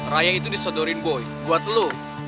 raya itu disodorin boy buat lo